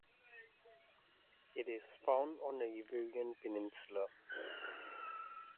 It is found on the Iberian Peninsula.